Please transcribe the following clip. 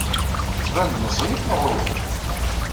Tettban-d meẓẓiyet neɣ uhu?